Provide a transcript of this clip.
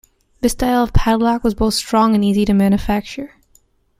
This style of padlock was both strong and easy to manufacture.